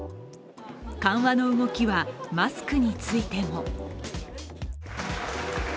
緩和の動きは、マスクについても。